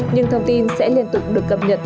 nhưng thông tin sẽ liên tục được cập nhật